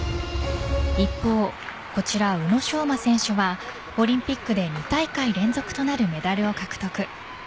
一方、こちら宇野昌磨選手はオリンピックで２大会連続となるメダルを獲得。